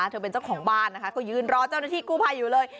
เธอเป็นเจ้าของบ้านนะคะก็ยืนรอเจ้าหน้าที่กู้ภัยอยู่เลย